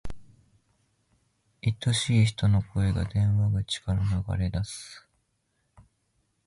愛しい人の声が、電話口から流れ出す。